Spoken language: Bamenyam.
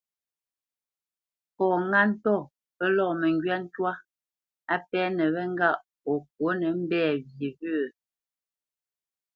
Fɔ ŋâ ntɔ̂ pə́ lɔ̂ məngywá ntwá á pɛ́nə wé ŋgâʼ o ŋkwǒ nə mbɛ̂ wye wyə̂?